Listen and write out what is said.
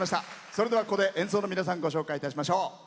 それではここで演奏の皆さんご紹介いたしましょう。